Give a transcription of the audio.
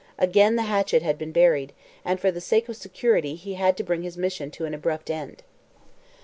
Again the hatchet had been unburied, and for the sake of security he had to bring his mission to an abrupt end.